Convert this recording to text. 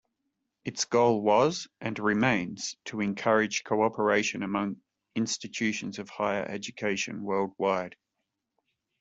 Its goal was and remains to encourage cooperation among institutions of higher education worldwide.